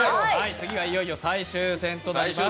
次はいよいよ最終戦となります。